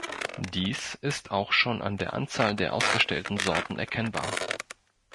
Dies ist auch schon an der Anzahl der ausgestellten Sorten erkennbar.